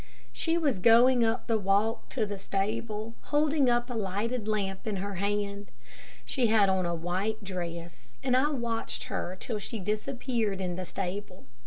She was going up the walk to the stable, holding up a lighted lamp in her hand. She had on a white dress, and I watched her till she disappeared in the stable.